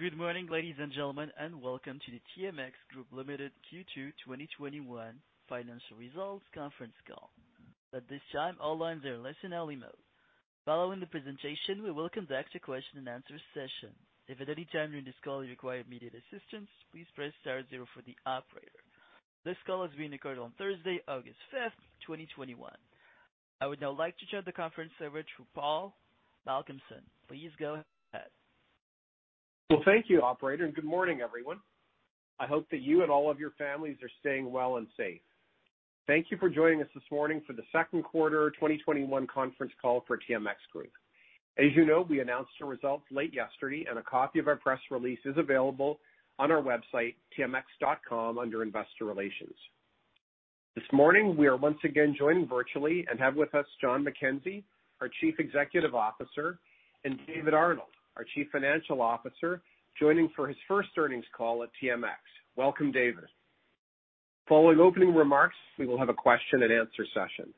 Good morning, ladies and gentlemen, welcome to the TMX Group Limited Q2 2021 financial results conference call. At this time, all lines are in listen-only mode. Following the presentation, we will conduct a question and answer session. If at any time during this call you require immediate assistance, please press star zero for the operator. This call is being recorded on Thursday, August 5th, 2021. I would now like to turn the conference over to Paul Malcolmson. Please go ahead. Well, thank you, operator, and good morning, everyone. I hope that you and all of your families are staying well and safe. Thank you for joining us this morning for the second quarter 2021 conference call for TMX Group. As you know, we announced our results late yesterday, and a copy of our press release is available on our website, tmx.com, under investor relations. This morning, we are once again joining virtually and have with us John McKenzie, our Chief Executive Officer, and David Arnold, our Chief Financial Officer, joining for his first earnings call at TMX. Welcome, David. Following opening remarks, we will have a question and answer session.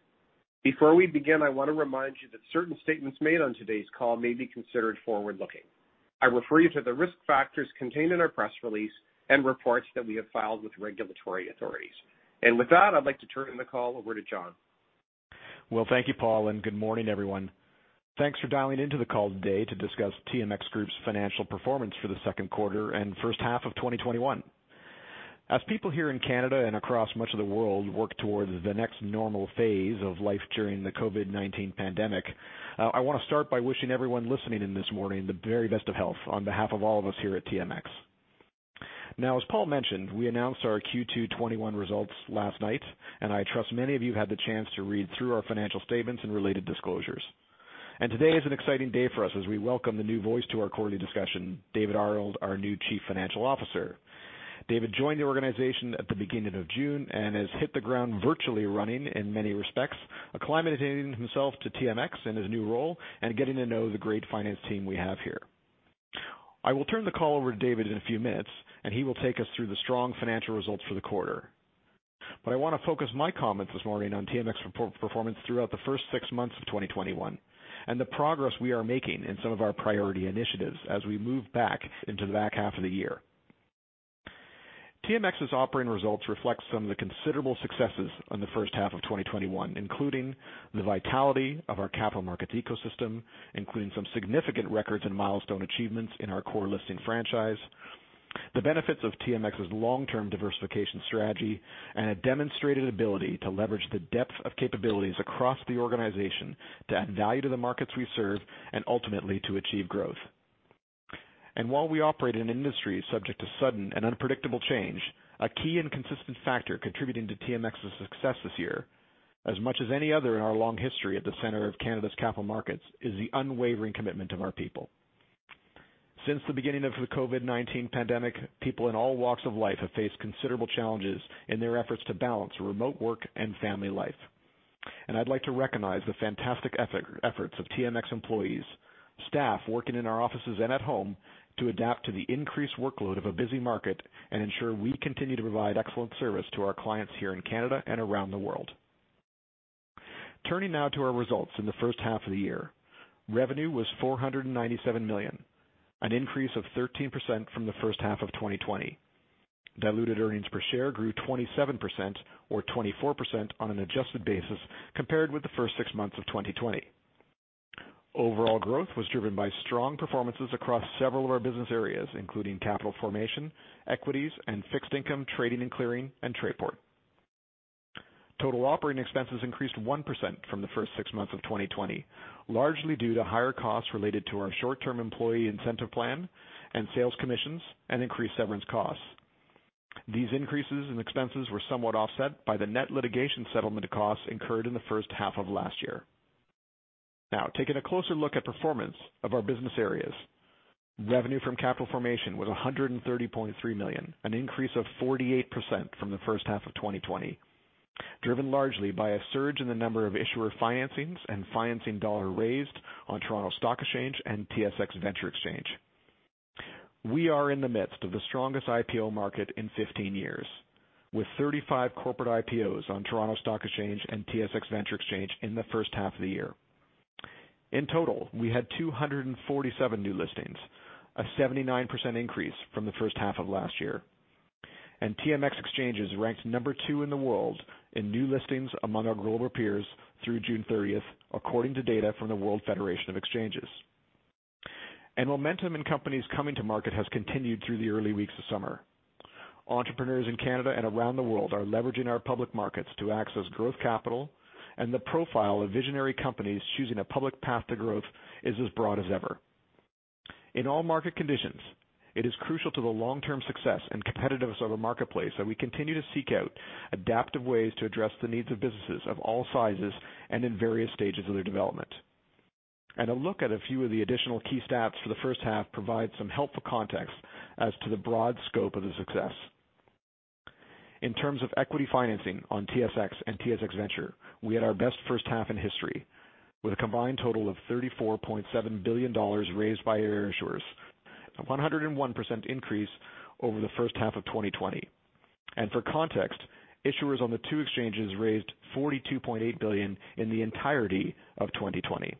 Before we begin, I want to remind you that certain statements made on today's call may be considered forward-looking. I refer you to the risk factors contained in our press release and reports that we have filed with regulatory authorities. With that, I'd like to turn the call over to John. Well, thank you, Paul. Good morning, everyone. Thanks for dialing into the call today to discuss TMX Group's financial performance for the second quarter and first half of 2021. As people here in Canada and across much of the world work towards the next normal phase of life during the COVID-19 pandemic, I want to start by wishing everyone listening in this morning the very best of health on behalf of all of us here at TMX. As Paul mentioned, we announced our Q2 2021 results last night. I trust many of you had the chance to read through our financial statements and related disclosures. Today is an exciting day for us as we welcome the new voice to our quarterly discussion, David Arnold, our new Chief Financial Officer. David joined the organization at the beginning of June and has hit the ground virtually running in many respects, acclimating himself to TMX in his new role and getting to know the great finance team we have here. I will turn the call over to David in a few minutes, and he will take us through the strong financial results for the quarter. I want to focus my comments this morning on TMX performance throughout the first six months of 2021 and the progress we are making in some of our priority initiatives as we move back into the back half of the year. TMX's operating results reflect some of the considerable successes on the first half of 2021, including the vitality of our capital markets ecosystem, including some significant records and milestone achievements in our core listing franchise, the benefits of TMX's long-term diversification strategy, and a demonstrated ability to leverage the depth of capabilities across the organization to add value to the markets we serve and ultimately to achieve growth. While we operate in an industry subject to sudden and unpredictable change, a key and consistent factor contributing to TMX's success this year, as much as any other in our long history at the center of Canada's capital markets, is the unwavering commitment of our people. Since the beginning of the COVID-19 pandemic, people in all walks of life have faced considerable challenges in their efforts to balance remote work and family life. I'd like to recognize the fantastic efforts of TMX employees, staff working in our offices and at home, to adapt to the increased workload of a busy market and ensure we continue to provide excellent service to our clients here in Canada and around the world. Turning now to our results in the first half of the year. Revenue was 497 million, an increase of 13% from the first half of 2020. Diluted earnings per share grew 27%, or 24% on an adjusted basis, compared with the first six months of 2020. Overall growth was driven by strong performances across several of our business areas, including capital formation, equities and fixed income, trading and clearing, and Trayport. Total operating expenses increased 1% from the first six months of 2020, largely due to higher costs related to our short-term employee incentive plan and sales commissions and increased severance costs. These increases in expenses were somewhat offset by the net litigation settlement costs incurred in the first half of last year. Now, taking a closer look at performance of our business areas. Revenue from capital formation was 130.3 million, an increase of 48% from the first half of 2020, driven largely by a surge in the number of issuer financings and financing dollar raised on Toronto Stock Exchange and TSX Venture Exchange. We are in the midst of the strongest IPO market in 15 years, with 35 corporate IPOs on Toronto Stock Exchange and TSX Venture Exchange in the first half of the year. In total, we had 247 new listings, a 79% increase from the first half of last year. TMX Exchanges ranked number two in the world in new listings among our global peers through June 30th, according to data from the World Federation of Exchanges. Momentum in companies coming to market has continued through the early weeks of summer. Entrepreneurs in Canada and around the world are leveraging our public markets to access growth capital, and the profile of visionary companies choosing a public path to growth is as broad as ever. In all market conditions, it is crucial to the long-term success and competitiveness of a marketplace that we continue to seek out adaptive ways to address the needs of businesses of all sizes and in various stages of their development. A look at a few of the additional key stats for the first half provide some helpful context as to the broad scope of the success. In terms of equity financing on TSX and TSX Venture, we had our best first half in history, with a combined total of 34.7 billion dollars raised by issuers. A 101% increase over the first half of 2020. For context, issuers on the two exchanges raised 42.8 billion in the entirety of 2020.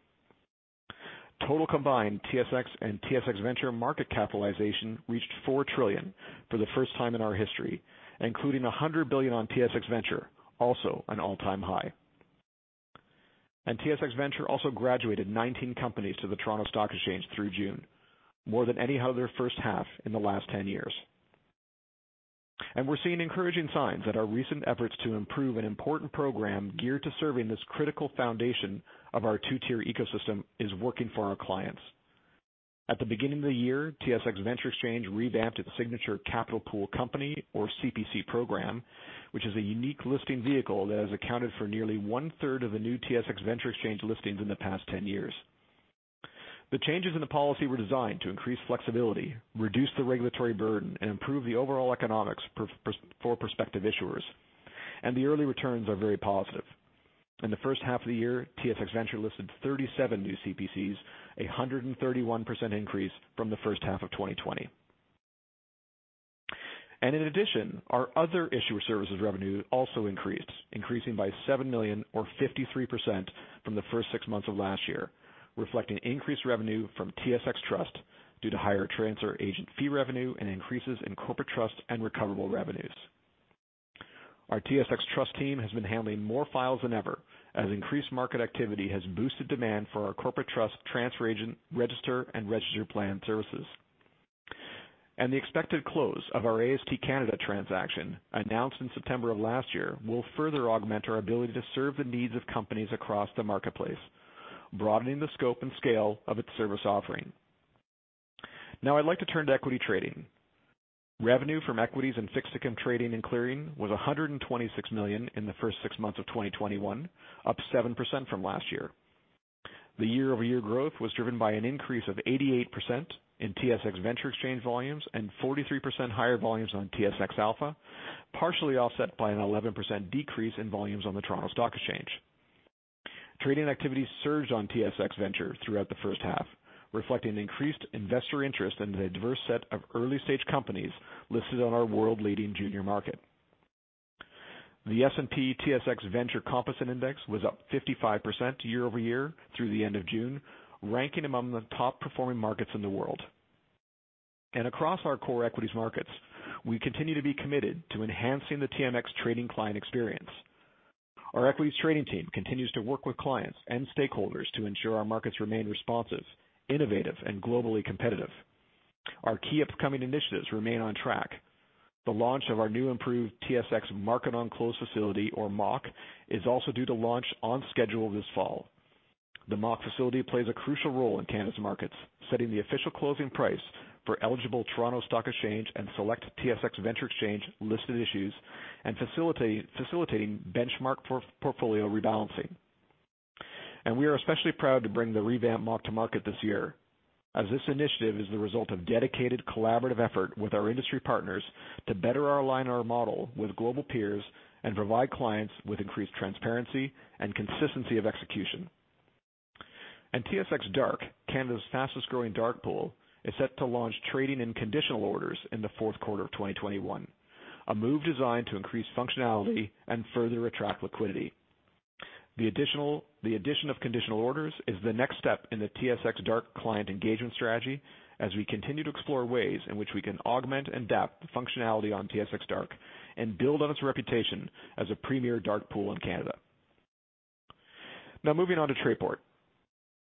Total combined TSX and TSX Venture market capitalization reached 4 trillion for the first time in our history, including 100 billion on TSX Venture, also an all-time high. TSX Venture also graduated 19 companies to the Toronto Stock Exchange through June, more than any other first half in the last 10 years. We're seeing encouraging signs that our recent efforts to improve an important program geared to serving this critical foundation of our two-tier ecosystem is working for our clients. At the beginning of the year, TSX Venture Exchange revamped its signature Capital Pool Company, or CPC program, which is a unique listing vehicle that has accounted for nearly one-third of the new TSX Venture Exchange listings in the past 10 years. The changes in the policy were designed to increase flexibility, reduce the regulatory burden, and improve the overall economics for prospective issuers, and the early returns are very positive. In the first half of the year, TSX Venture listed 37 new CPCs, a 131% increase from the first half of 2020. In addition, our other issuer services revenue also increased, increasing by 7 million or 53% from the first six months of last year, reflecting increased revenue from TSX Trust due to higher transfer agent fee revenue and increases in corporate trust and recoverable revenues. Our TSX Trust team has been handling more files than ever, as increased market activity has boosted demand for our corporate trust, transfer agency, and registered plan services. The expected close of our AST Canada transaction, announced in September of last year, will further augment our ability to serve the needs of companies across the marketplace, broadening the scope and scale of its service offering. Now I'd like to turn to equity trading. Revenue from equities and fixed income trading and clearing was 126 million in the first six months of 2021, up 7% from last year. The year-over-year growth was driven by an increase of 88% in TSX Venture Exchange volumes and 43% higher volumes on TSX Alpha, partially offset by an 11% decrease in volumes on the Toronto Stock Exchange. Trading activity surged on TSX Venture throughout the first half, reflecting increased investor interest in the diverse set of early-stage companies listed on our world-leading junior market. The S&P/TSX Venture Composite Index was up 55% year-over-year through the end of June, ranking among the top-performing markets in the world. Across our core equities markets, we continue to be committed to enhancing the TMX trading client experience. Our equities trading team continues to work with clients and stakeholders to ensure our markets remain responsive, innovative, and globally competitive. Our key upcoming initiatives remain on track. The launch of our new improved TSX Market on Close facility, or MOC, is also due to launch on schedule this fall. The MOC facility plays a crucial role in Canada's markets, setting the official closing price for eligible Toronto Stock Exchange and select TSX Venture Exchange listed issues and facilitating benchmark portfolio rebalancing. We are especially proud to bring the revamped MOC to market this year, as this initiative is the result of dedicated, collaborative effort with our industry partners to better align our model with global peers and provide clients with increased transparency and consistency of execution. TSX DRK, Canada's fastest-growing dark pool, is set to launch trading and conditional orders in the fourth quarter of 2021, a move designed to increase functionality and further attract liquidity. The addition of conditional orders is the next step in the TSX DRK client engagement strategy as we continue to explore ways in which we can augment and adapt the functionality on TSX DRK and build on its reputation as a premier dark pool in Canada. Now moving on to Trayport.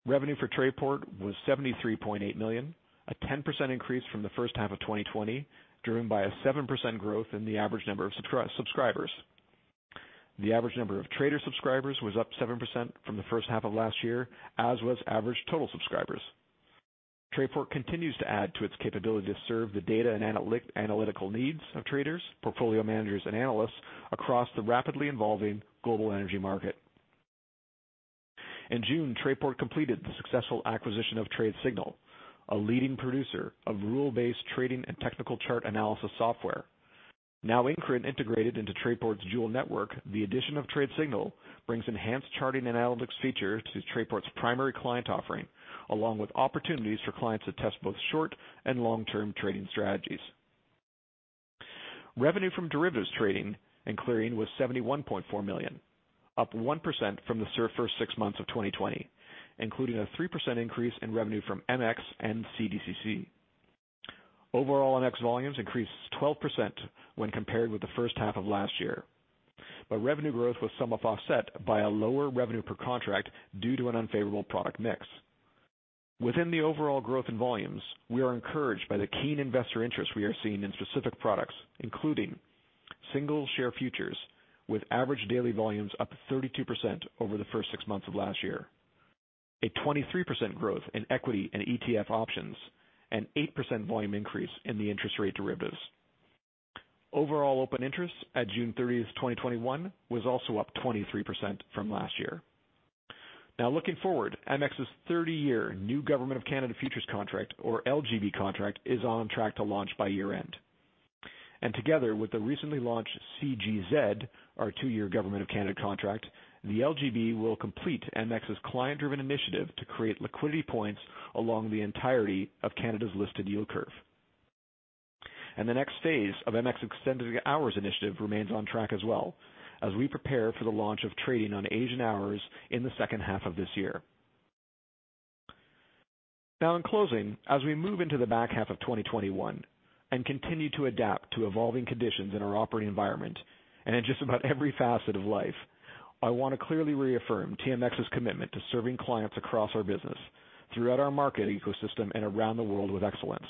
Revenue for Trayport was 73.8 million, a 10% increase from the first half of 2020, driven by a 7% growth in the average number of subscribers. The average number of trader subscribers was up 7% from the first half of last year, as was average total subscribers. Trayport continues to add to its capability to serve the data and analytical needs of traders, portfolio managers, and analysts across the rapidly evolving global energy market. In June, Trayport completed the successful acquisition of Tradesignal, a leading producer of rule-based trading and technical chart analysis software. Now increment integrated into Trayport's Joule network, the addition of Tradesignal brings enhanced charting and analytics features to Trayport's primary client offering, along with opportunities for clients to test both short- and long-term trading strategies. Revenue from derivatives trading and clearing was CAD 71.4 million, up 1% from the first six months of 2020, including a 3% increase in revenue from MX and CDCC. Overall MX volumes increased 12% when compared with the first half of last year, but revenue growth was somewhat offset by a lower revenue per contract due to an unfavorable product mix. Within the overall growth in volumes, we are encouraged by the keen investor interest we are seeing in specific products, including Single Share Futures with average daily volumes up 32% over the first six months of last year, a 23% growth in equity and ETF options, and 8% volume increase in the interest rate derivatives. Overall open interest at June 30th, 2021, was also up 23% from last year. Looking forward, MX's 30-year new Government of Canada futures contract, or LGB contract, is on track to launch by year-end. Together with the recently launched CGZ, our two-year Government of Canada contract, the LGB will complete MX's client-driven initiative to create liquidity points along the entirety of Canada's listed yield curve. The next phase of MX Extended Hours initiative remains on track as well as we prepare for the launch of trading on Asian hours in the second half of this year. In closing, as we move into the back half of 2021 and continue to adapt to evolving conditions in our operating environment and in just about every facet of life, I want to clearly reaffirm TMX's commitment to serving clients across our business, throughout our market ecosystem, and around the world with excellence.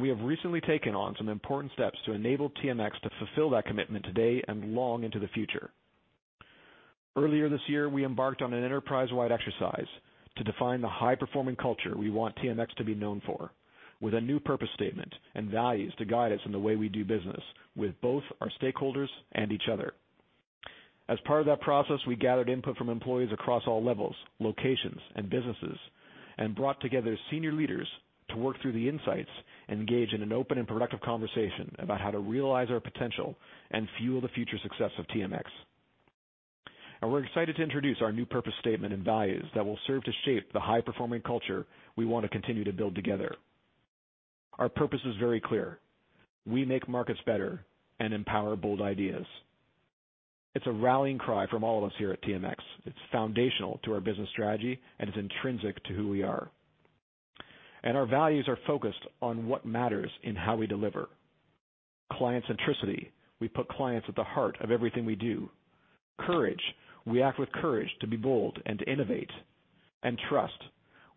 We have recently taken on some important steps to enable TMX to fulfill that commitment today and long into the future. Earlier this year, we embarked on an enterprise-wide exercise to define the high-performing culture we want TMX to be known for, with a new purpose statement and values to guide us in the way we do business with both our stakeholders and each other. As part of that process, we gathered input from employees across all levels, locations, and businesses, and brought together senior leaders to work through the insights and engage in an open and productive conversation about how to realize our potential and fuel the future success of TMX. We're excited to introduce our new purpose statement and values that will serve to shape the high-performing culture we want to continue to build together. Our purpose is very clear. We make markets better and empower bold ideas. It's a rallying cry from all of us here at TMX. It's foundational to our business strategy, it's intrinsic to who we are. Our values are focused on what matters in how we deliver. Client Centricity, we put clients at the heart of everything we do. Courage, we act with courage to be bold and to innovate. Trust,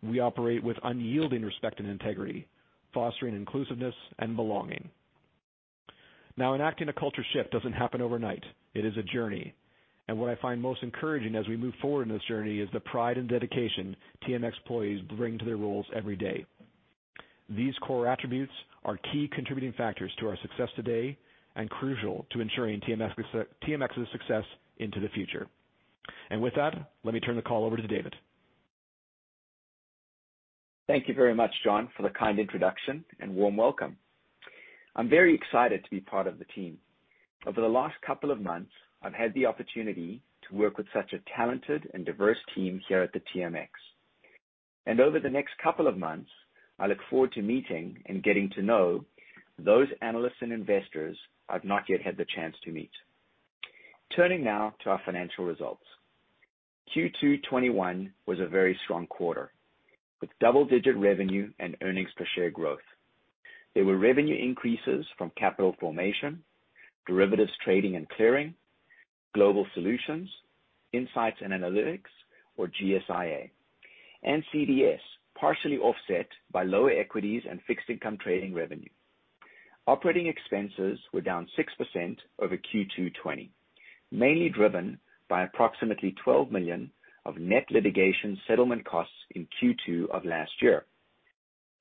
we operate with unyielding respect and integrity, fostering inclusiveness and belonging. Now, enacting a culture shift doesn't happen overnight. It is a journey, what I find most encouraging as we move forward in this journey is the pride and dedication TMX employees bring to their roles every day. These core attributes are key contributing factors to our success today and crucial to ensuring TMX's success into the future. With that, let me turn the call over to David. Thank you very much, John, for the kind introduction and warm welcome. I'm very excited to be part of the team. Over the last couple of months, I've had the opportunity to work with such a talented and diverse team here at the TMX. Over the next couple of months, I look forward to meeting and getting to know those analysts and investors I've not yet had the chance to meet. Turning now to our financial results. Q2 2021 was a very strong quarter, with double-digit revenue and earnings per share growth. There were revenue increases from capital formation, derivatives trading and clearing, global solutions, insights and analytics, or GSIA, and CDS, partially offset by lower equities and fixed income trading revenue. Operating expenses were down 6% over Q2 2020, mainly driven by approximately 12 million of net litigation settlement costs in Q2 of last year.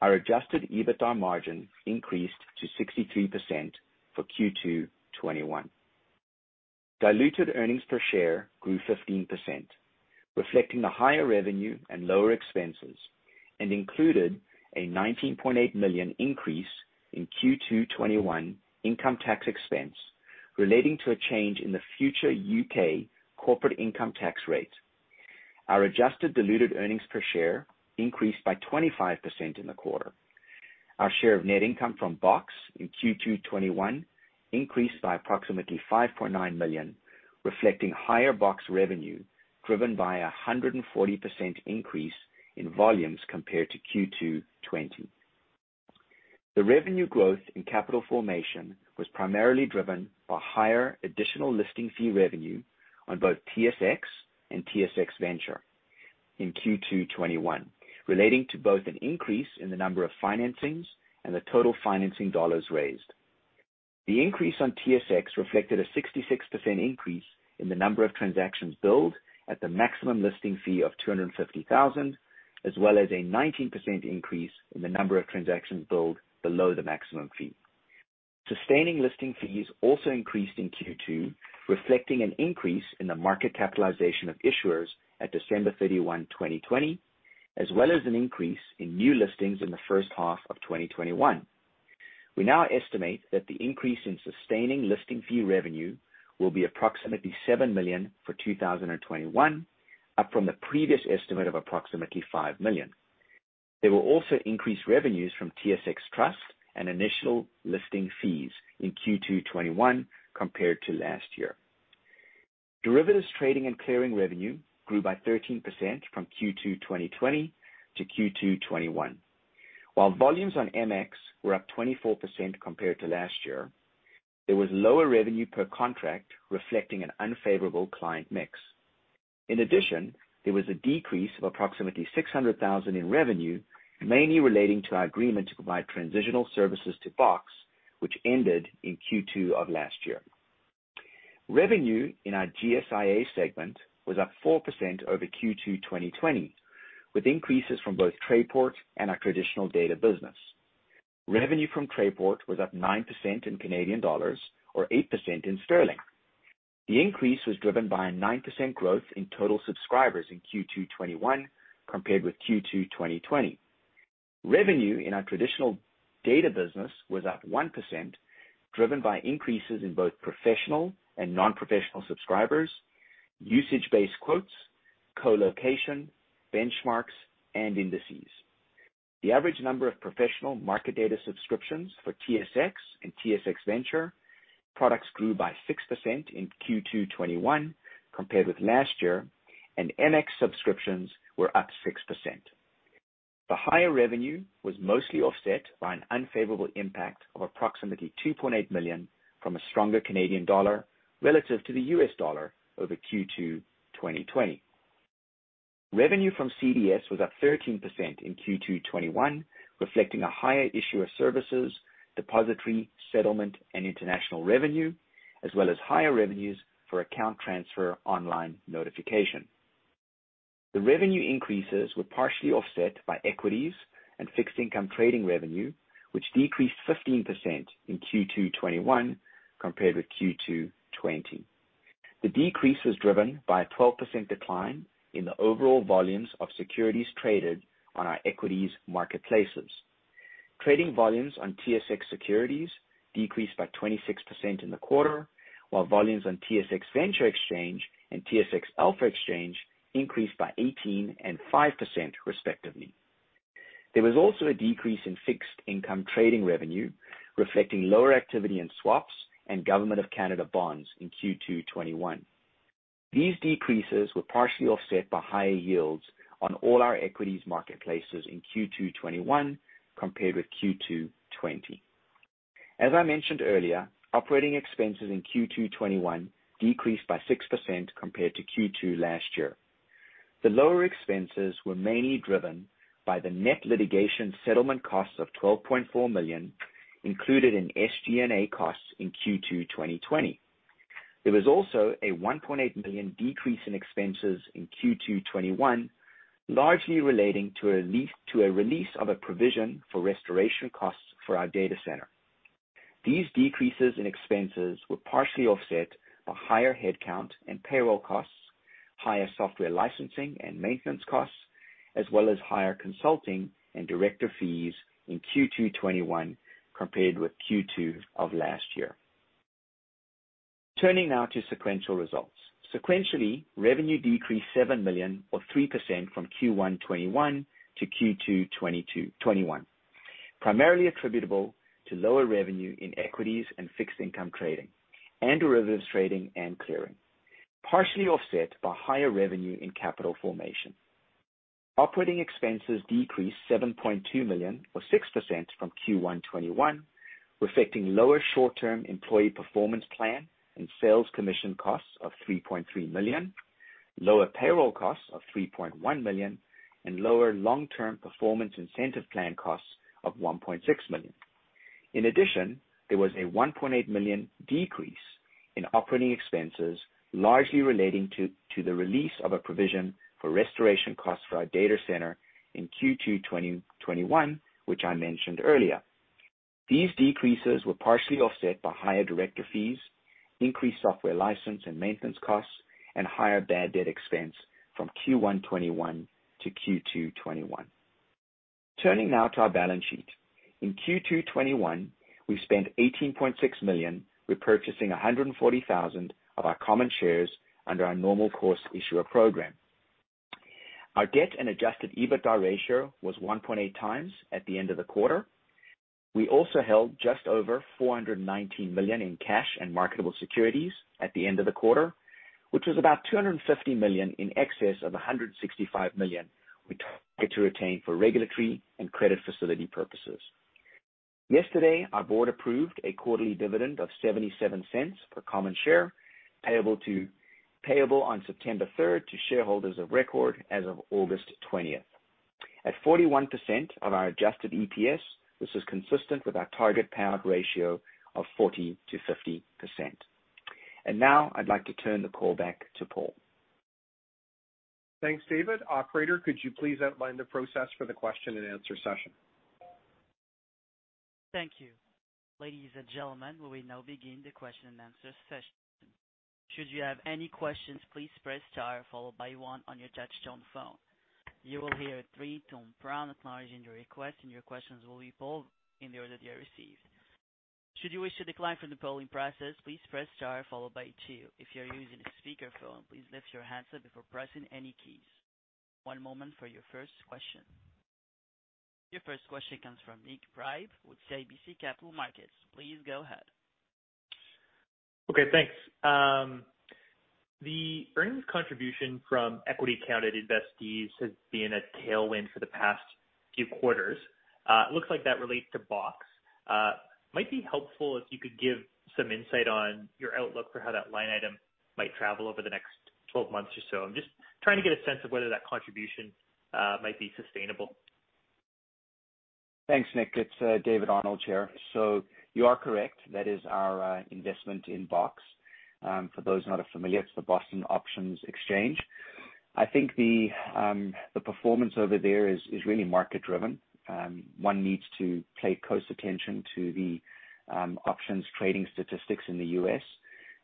Our adjusted EBITDA margin increased to 63% for Q2 2021. Diluted earnings per share grew 15%, reflecting the higher revenue and lower expenses, and included a 19.8 million increase in Q2 2021 income tax expense relating to a change in the future U.K. corporate income tax rate. Our adjusted diluted earnings per share increased by 25% in the quarter. Our share of net income from BOX in Q2 '21 increased by approximately 5.9 million, reflecting higher BOX revenue, driven by a 140% increase in volumes compared to Q2 2020. The revenue growth in capital formation was primarily driven by higher additional listing fee revenue on both TSX and TSX Venture in Q2 2021, relating to both an increase in the number of financings and the total financing dollars raised. The increase on TSX reflected a 66% increase in the number of transactions billed at the maximum listing fee of 250,000, as well as a 19% increase in the number of transactions billed below the maximum fee. Sustaining listing fees also increased in Q2, reflecting an increase in the market capitalization of issuers at December 31, 2020, as well as an increase in new listings in the first half of 2021. We now estimate that the increase in sustaining listing fee revenue will be approximately 7 million for 2021, up from the previous estimate of approximately 5 million. There were also increased revenues from TSX Trust and initial listing fees in Q2 2021 compared to last year. Derivatives trading and clearing revenue grew by 13% from Q2 2020 to Q2 2021. While volumes on MX were up 24% compared to last year, there was lower revenue per contract reflecting an unfavorable client mix. There was a decrease of approximately 600,000 in revenue, mainly relating to our agreement to provide transitional services to BOX, which ended in Q2 of last year. Revenue in our GSIA segment was up 4% over Q2 2020, with increases from both Trayport and our traditional data business. Revenue from Trayport was up 9% in Canadian dollars or 8% in sterling. The increase was driven by a 9% growth in total subscribers in Q2 2021 compared with Q2 2020. Revenue in our traditional data business was up 1%, driven by increases in both professional and non-professional subscribers, usage-based quotes, co-location, benchmarks, and indices. The average number of professional market data subscriptions for TSX and TSX Venture products grew by 6% in Q2 2021 compared with last year, and MX subscriptions were up 6%. The higher revenue was mostly offset by an unfavorable impact of approximately 2.8 million from a stronger Canadian dollar relative to the U.S. dollar over Q2 2020. Revenue from CDS was up 13% in Q2 2021, reflecting a higher issuer services, depository, settlement, and international revenue, as well as higher revenues for Account Transfer Online Notification. The revenue increases were partially offset by equities and fixed income trading revenue, which decreased 15% in Q2 2021 compared with Q2 2020. The decrease was driven by a 12% decline in the overall volumes of securities traded on our equities marketplaces. Trading volumes on TSX securities decreased by 26% in the quarter, while volumes on TSX Venture Exchange and TSX Alpha Exchange increased by 18% and 5% respectively. There was also a decrease in fixed income trading revenue, reflecting lower activity in swaps and Government of Canada bonds in Q2 2021. These decreases were partially offset by higher yields on all our equities marketplaces in Q2 2021 compared with Q2 2020. As I mentioned earlier, operating expenses in Q2 2021 decreased by 6% compared to Q2 last year. The lower expenses were mainly driven by the net litigation settlement costs of 12.4 million included in SG&A costs in Q2 2020. There was also a 1.8 million decrease in expenses in Q2 2021, largely relating to a release of a provision for restoration costs for our data center. These decreases in expenses were partially offset by higher headcount and payroll costs, higher software licensing and maintenance costs, as well as higher consulting and director fees in Q2 2021 compared with Q2 of last year. Turning now to sequential results. Sequentially, revenue decreased 7 million, or 3%, from Q1 2021 to Q2 2021, primarily attributable to lower revenue in equities and fixed income trading and derivatives trading and clearing, partially offset by higher revenue in capital formation. Operating expenses decreased 7.2 million, or 6%, from Q1 2021, reflecting lower short-term employee performance plan and sales commission costs of 3.3 million, lower payroll costs of 3.1 million, and lower long-term performance incentive plan costs of 1.6 million. In addition, there was a 1.8 million decrease in operating expenses, largely relating to the release of a provision for restoration costs for our data center in Q2 2021, which I mentioned earlier. These decreases were partially offset by higher director fees, increased software license and maintenance costs, and higher bad debt expense from Q1 2021 to Q2 2021. Turning now to our balance sheet. In Q2 2021, we spent 18.6 million, repurchasing 140,000 of our common shares under our Normal Course Issuer Bid. Our debt and adjusted EBITDA ratio was 1.8x at the end of the quarter. We also held just over 419 million in cash and marketable securities at the end of the quarter, which was about 250 million in excess of 165 million we target to retain for regulatory and credit facility purposes. Yesterday, our board approved a quarterly dividend of 0.77 per common share, payable on September 3rd to shareholders of record as of August 20th. At 41% of our adjusted EPS, this is consistent with our target payout ratio of 40%-50%. Now I'd like to turn the call back to Paul. Thanks, David. Operator, could you please outline the process for the question and answer session? Your first question comes from Nik Priebe with CIBC Capital Markets. Please go ahead. Okay, thanks. The earnings contribution from equity accounted investees has been a tailwind for the past few quarters. It looks like that relates to BOX. Might be helpful if you could give some insight on your outlook for how that line item might travel over the next 12 months or so. I'm just trying to get a sense of whether that contribution might be sustainable. Thanks, Nik. It's David Arnold here. You are correct. That is our investment in BOX. For those not familiar, it's the Boston Options Exchange. I think the performance over there is really market-driven. One needs to pay close attention to the options trading statistics in the U.S.,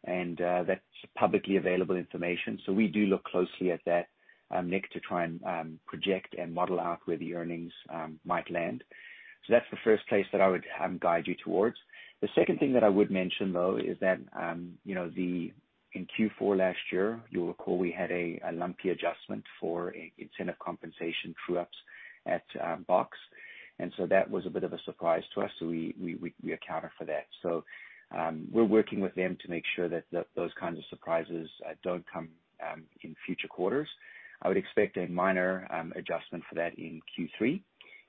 and that's publicly available information. We do look closely at that, Nik, to try and project and model out where the earnings might land. That's the first place that I would guide you towards. The second thing that I would mention, though, is that in Q4 last year, you'll recall we had a lumpy adjustment for incentive compensation true-ups at BOX. That was a bit of a surprise to us, so we accounted for that. We're working with them to make sure that those kinds of surprises don't come in future quarters. I would expect a minor adjustment for that in Q3,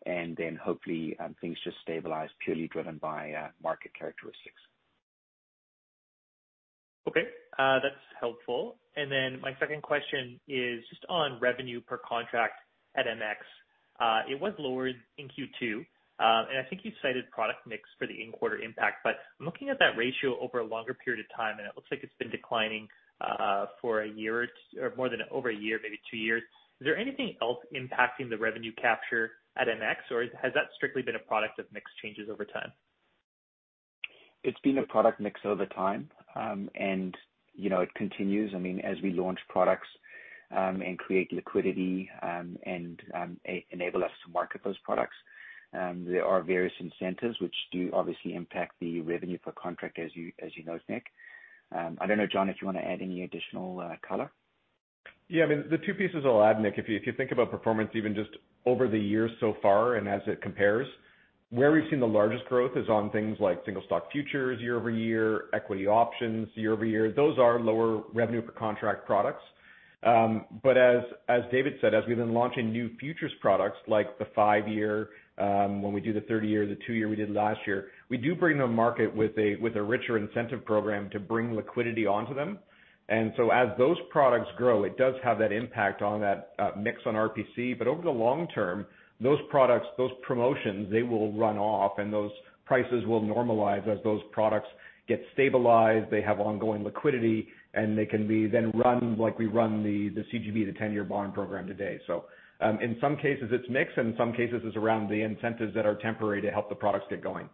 and then hopefully things just stabilize, purely driven by market characteristics. Okay, that's helpful. My second question is just on revenue per contract at MX. It was lowered in Q2, and I think you cited product mix for the in-quarter impact, but I'm looking at that ratio over a longer period of time, and it looks like it's been declining for over one year, maybe two years. Is there anything else impacting the revenue capture at MX, or has that strictly been a product of mix changes over time? It's been a product mix over time. It continues as we launch products and create liquidity and enable us to market those products. There are various incentives, which do obviously impact the revenue per contract, as you know, Nik. I don't know, John, if you want to add any additional color. The two pieces I'll add, Nik. If you think about performance, even just over the years so far, and as it compares, where we've seen the largest growth is on things like single stock futures year-over-year, equity options year-over-year. Those are lower revenue per contract products. As David said, as we then launch in new futures products like the five-year, when we do the 30-year, the two-year we did last year, we do bring to the market with a richer incentive program to bring liquidity onto them. As those products grow, it does have that impact on that mix on RPC. Over the long term, those products, those promotions, they will run off, and those prices will normalize as those products get stabilized, they have ongoing liquidity, and they can be then run like we run the CGB, the 10-year bond program today. In some cases it's mix, and in some cases it's around the incentives that are temporary to help the products get going.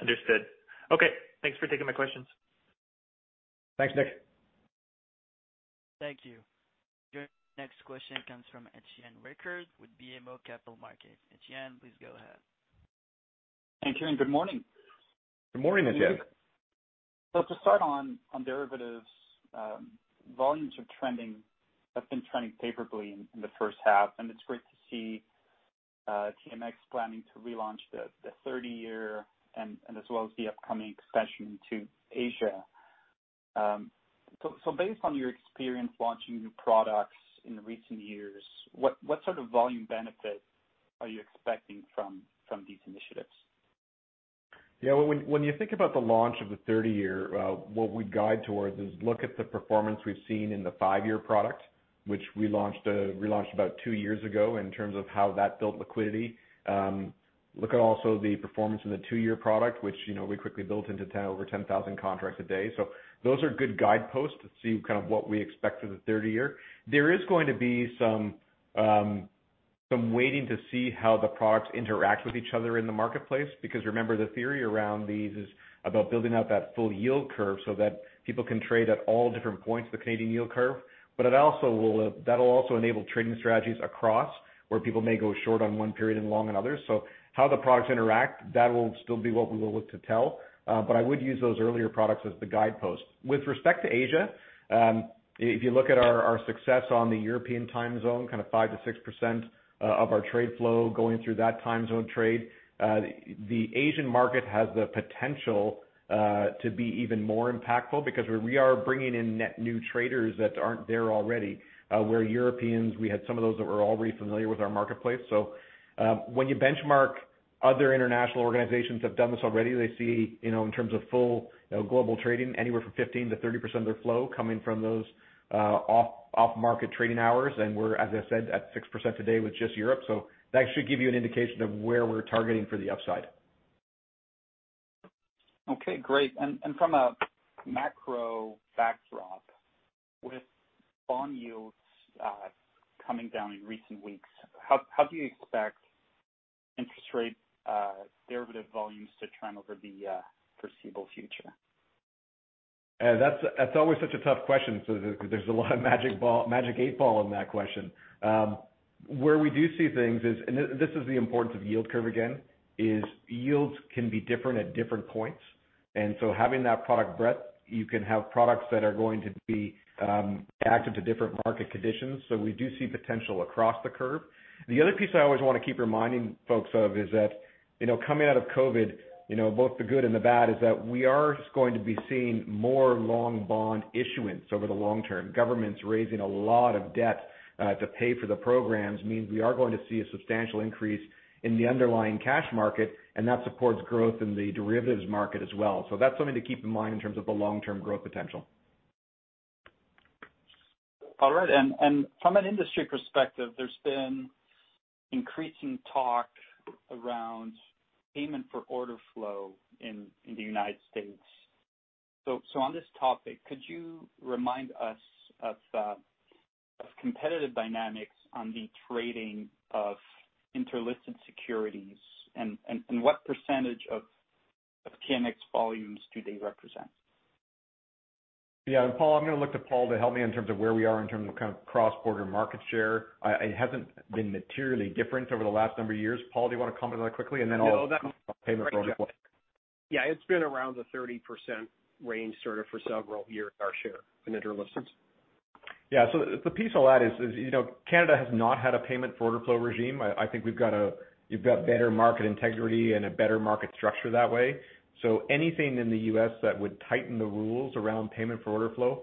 Understood. Okay, thanks for taking my questions. Thanks, Nik. Thank you. Your next question comes from Étienne Ricard with BMO Capital Markets. Étienne, please go ahead. Thank you, and good morning. Good morning, Étienne. To start on derivatives, volumes have been trending favorably in the first half, and it's great to see TMX planning to relaunch the 30-year and as well as the upcoming expansion into Asia. Based on your experience launching new products in recent years, what sort of volume benefit are you expecting from these initiatives? Yeah. When you think about the launch of the 30-year, what we'd guide towards is look at the performance we've seen in the five-year product, which we launched about two years ago, in terms of how that built liquidity. Look at also the performance in the two-year product, which we quickly built into over 10,000 contracts a day. Those are good guideposts to see kind of what we expect for the 30-year. There is going to be some waiting to see how the products interact with each other in the marketplace, because remember, the theory around these is about building out that full yield curve so that people can trade at all different points of the Canadian yield curve. That'll also enable trading strategies across, where people may go short on one period and long on others. How the products interact, that will still be what we will look to tell. I would use those earlier products as the guidepost. With respect to Asia, if you look at our success on the European time zone, 5%-6% of our trade flow going through that time zone trade. The Asian market has the potential to be even more impactful because we are bringing in net new traders that aren't there already. Where Europeans, we had some of those that were already familiar with our marketplace. When you benchmark, other international organizations have done this already. They see, in terms of full global trading, anywhere from 15%-30% of their flow coming from those off-market trading hours. We're, as I said, at 6% today with just Europe. That should give you an indication of where we're targeting for the upside. Okay, great. From a macro backdrop, with bond yields coming down in recent weeks, how do you expect interest rate derivative volumes to trend over the foreseeable future? That's always such a tough question because there's a lot of magic eight ball in that question. Where we do see things is, and this is the importance of yield curve again, is yields can be different at different points. Having that product breadth, you can have products that are going to be active to different market conditions. We do see potential across the curve. The other piece I always want to keep reminding folks of is that coming out of COVID-19, both the good and the bad, is that we are going to be seeing more long bond issuance over the long term. Governments raising a lot of debt to pay for the programs means we are going to see a substantial increase in the underlying cash market, and that supports growth in the derivatives market as well. That's something to keep in mind in terms of the long-term growth potential. All right. From an industry perspective, increasing talk around payment for order flow in the United States. On this topic, could you remind us of competitive dynamics on the trading of inter-listed securities and what percentage of TMX volumes do they represent? Yeah. Paul, I'm going to look to Paul to help me in terms of where we are in terms of kind of cross-border market share. It hasn't been materially different over the last number of years. Paul, do you want to comment on that quickly? No. Talk payment for order flow. Yeah, it's been around the 30% range sort of for several years, our share in inter-listeds. Yeah. The piece I'll add is Canada has not had a payment for order flow regime. I think you've got better market integrity and a better market structure that way. Anything in the U.S. that would tighten the rules around payment for order flow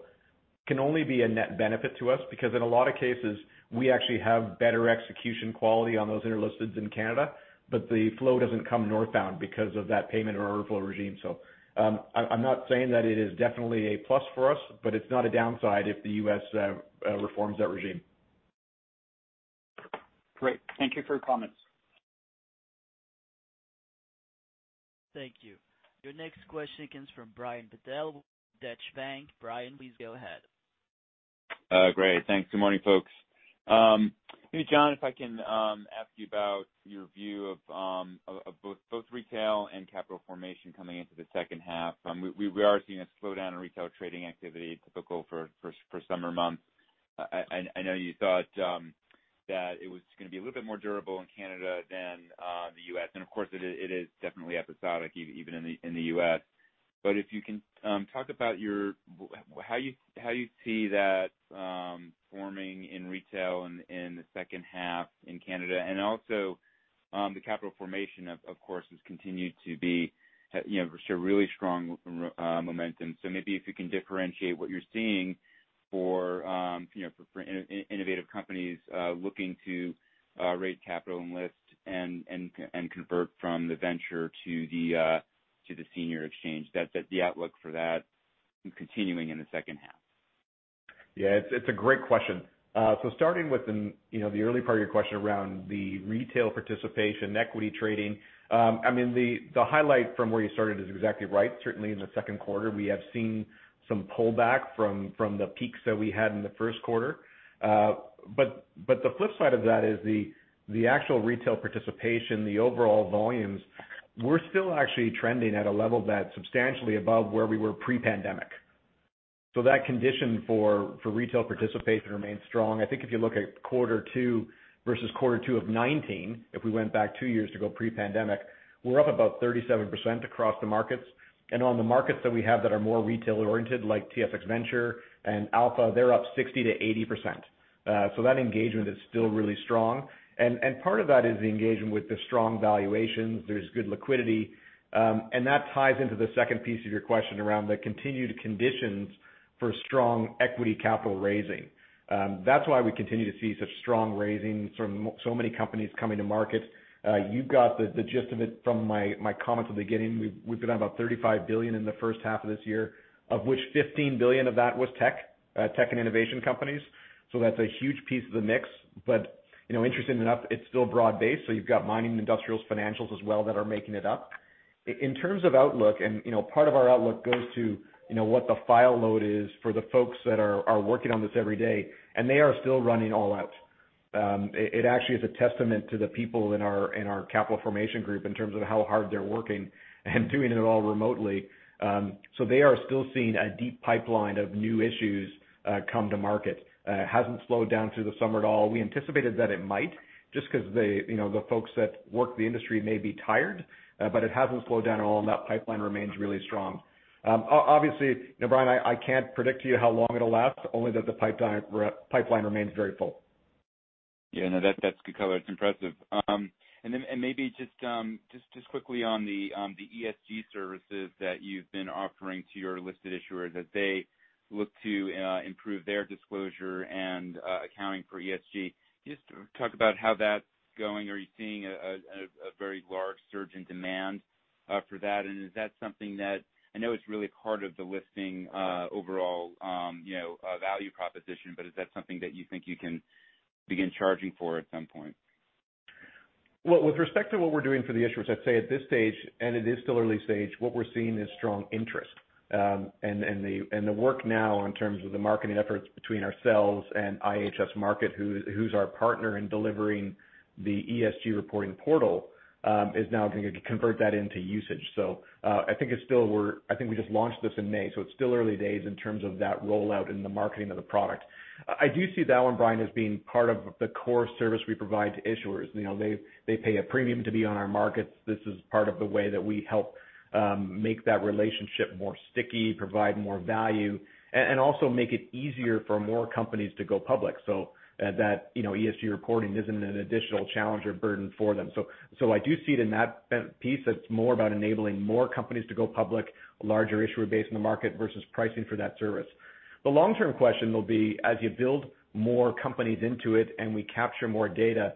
can only be a net benefit to us, because in a lot of cases, we actually have better execution quality on those inter-listeds in Canada, but the flow doesn't come northbound because of that payment order flow regime. I'm not saying that it is definitely a plus for us, but it's not a downside if the U.S. reforms that regime. Great. Thank you for your comments. Thank you. Your next question comes from Brian Bedell with Deutsche Bank. Brian, please go ahead. Great. Thanks. Good morning, folks. Maybe, John, if I can ask you about your view of both retail and capital formation coming into the second half. We are seeing a slowdown in retail trading activity typical for summer months. I know you thought that it was going to be a little bit more durable in Canada than the U.S., and of course it is definitely episodic even in the U.S. If you can talk about how you see that forming in retail in the second half in Canada, and also the capital formation, of course, has continued to show really strong momentum. Maybe if you can differentiate what you're seeing for innovative companies looking to raise capital and list and convert from the venture to the senior exchange, the outlook for that continuing in the second half. It's a great question. Starting with the early part of your question around the retail participation equity trading, the highlight from where you started is exactly right. Certainly in the second quarter, we have seen some pullback from the peaks that we had in the first quarter. The flip side of that is the actual retail participation, the overall volumes, we're still actually trending at a level that's substantially above where we were pre-pandemic. That condition for retail participation remains strong. I think if you look at quarter two versus quarter two of 2019, if we went back two years to go pre-pandemic, we're up about 37% across the markets. On the markets that we have that are more retail oriented, like TSX Venture and Alpha, they're up 60%-80%. That engagement is still really strong, and part of that is the engagement with the strong valuations. There is good liquidity. That ties into the second piece of your question around the continued conditions for strong equity capital raising. That is why we continue to see such strong raising from so many companies coming to market. You have got the gist of it from my comments at the beginning. We have been at about 35 billion in the first half of this year, of which 15 billion of that was tech and innovation companies. That is a huge piece of the mix. Interestingly enough, it is still broad based, so you have got mining, industrials, financials as well that are making it up. In terms of outlook, and part of our outlook goes to what the file load is for the folks that are working on this every day, and they are still running all out. It actually is a testament to the people in our Capital Formation Group in terms of how hard they're working and doing it all remotely. They are still seeing a deep pipeline of new issues come to market. It hasn't slowed down through the summer at all. We anticipated that it might just because the folks that work the industry may be tired, but it hasn't slowed down at all, and that pipeline remains really strong. Obviously, Brian, I can't predict to you how long it'll last, only that the pipeline remains very full. Yeah, no, that's good color. It's impressive. Maybe just quickly on the ESG services that you've been offering to your listed issuers as they look to improve their disclosure and accounting for ESG. Can you just talk about how that's going? Are you seeing a very large surge in demand for that? Is that something I know it's really part of the listing overall value proposition, but is that something that you think you can begin charging for at some point? Well, with respect to what we're doing for the issuers, I'd say at this stage, and it is still early stage, what we're seeing is strong interest. The work now in terms of the marketing efforts between ourselves and IHS Markit, who's our partner in delivering the ESG reporting portal, is now going to convert that into usage. I think we just launched this in May, it's still early days in terms of that rollout and the marketing of the product. I do see that one, Brian, as being part of the core service we provide to issuers. They pay a premium to be on our markets. This is part of the way that we help make that relationship more sticky, provide more value, and also make it easier for more companies to go public so that ESG reporting isn't an additional challenge or burden for them. I do see it in that piece that's more about enabling more companies to go public, a larger issuer base in the market versus pricing for that service. The long-term question will be, as you build more companies into it and we capture more data,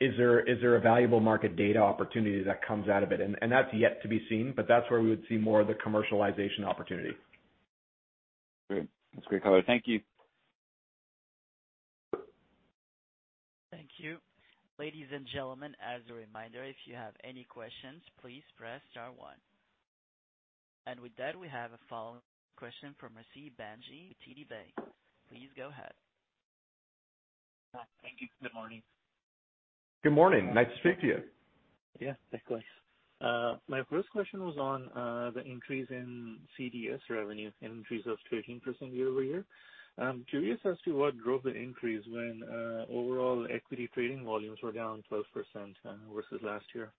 is there a valuable market data opportunity that comes out of it? That's yet to be seen, but that's where we would see more of the commercialization opportunity. Great. That's great color. Thank you. Thank you. Ladies and gentlemen, as a reminder, if you have any questions, please press star one. With that, we have a follow question from Rasib Bhanji with TD Securities. Please go ahead. Thank you. Good morning. Good morning. Nice to speak to you. Yeah, likewise. My first question was on the increase in CDS revenue, increase of 13% year-over-year. I'm curious as to what drove the increase when overall equity trading volumes were down 12% versus last year.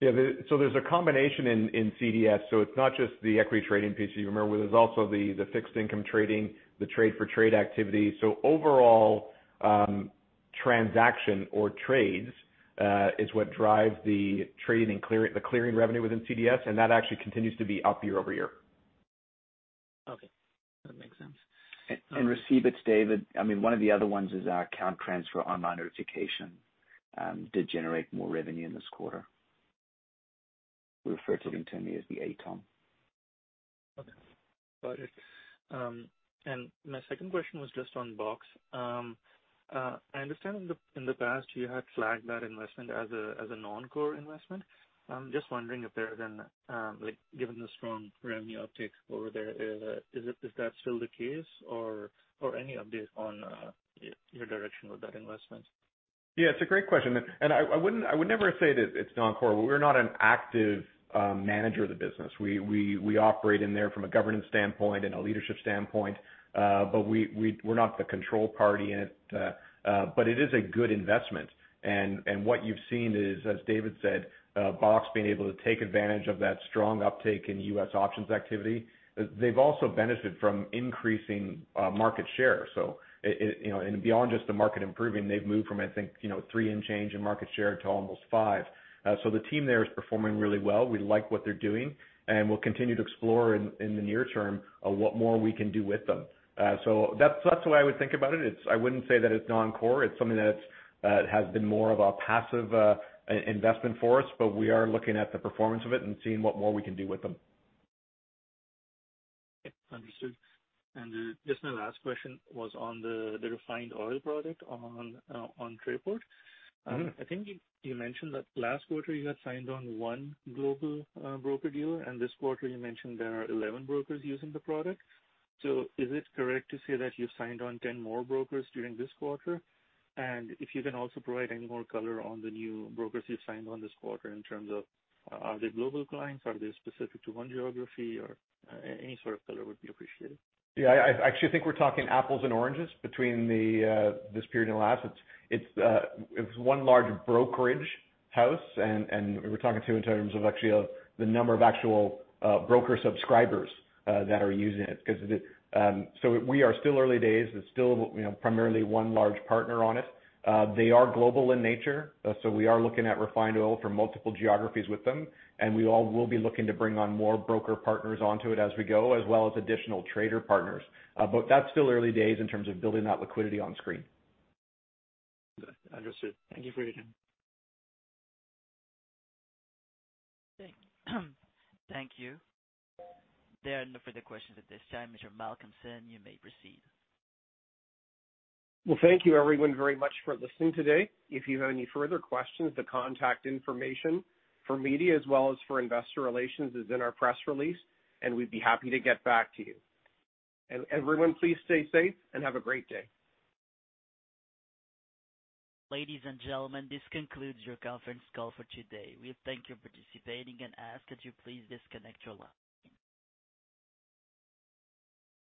There's a combination in CDS. It's not just the equity trading piece, you remember. There's also the fixed income trading, the trade for trade activity. Overall, transaction or trades is what drives the trading, the clearing revenue within CDS, and that actually continues to be up year-over-year. Okay. That makes sense. Rasib, it's David. One of the other ones is our Account Transfer Online Notification did generate more revenue in this quarter. We refer to it internally as the ATON. Okay. Got it. My second question was just on Boston Options Exchange. I understand in the past you had flagged that investment as a non-core investment. I'm just wondering if there then, given the strong revenue uptick over there, is that still the case or any update on your direction with that investment? Yeah, it's a great question. I would never say that it's non-core. We're not an active manager of the business. We operate in there from a governance standpoint and a leadership standpoint. We're not the control party in it. It is a good investment. What you've seen is, as David said, Box being able to take advantage of that strong uptick in U.S. options activity. They've also benefited from increasing market share. Beyond just the market improving, they've moved from, I think, three and change in market share to almost five. The team there is performing really well. We like what they're doing, and we'll continue to explore in the near term what more we can do with them. That's the way I would think about it. I wouldn't say that it's non-core. It's something that has been more of a passive investment for us, but we are looking at the performance of it and seeing what more we can do with them. Okay. Understood. Just my last question was on the refined oil product on Trayport. I think you mentioned that last quarter you had signed on one global broker-dealer, and this quarter you mentioned there are 11 brokers using the product. Is it correct to say that you signed on 10 more brokers during this quarter? If you can also provide any more color on the new brokers you signed on this quarter in terms of are they global clients? Are they specific to one geography? Or any sort of color would be appreciated. Yeah, I actually think we're talking apples and oranges between this period and the last. It's one large brokerage house, and we're talking too in terms of actually the number of actual broker subscribers that are using it. We are still early days. It's still primarily one large partner on it. They are global in nature, so we are looking at refined oil from multiple geographies with them, and we will be looking to bring on more broker partners onto it as we go, as well as additional trader partners. That's still early days in terms of building that liquidity on screen. Understood. Thank you for your time. Thank you. There are no further questions at this time. Mr. Malcolmson, you may proceed. Thank you everyone very much for listening today. If you have any further questions, the contact information for media as well as for investor relations is in our press release, and we'd be happy to get back to you. Everyone please stay safe and have a great day. Ladies and gentlemen, this concludes your conference call for today. We thank you for participating and ask that you please disconnect your line.